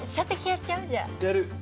やる。